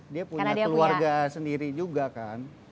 dia punya keluarga sendiri juga kan